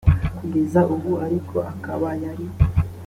kugeza ubu ariko akaba yari